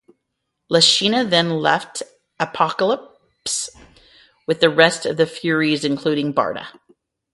Lashina then left for Apokolips with the rest of the Furies, including Barda.